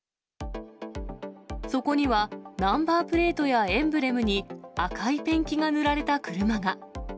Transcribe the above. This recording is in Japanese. そこにはナンバープレートやエンブレムに、赤いペンキが塗られた車が。